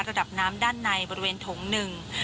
ระดับน้ำด้านในบริเวณถง๑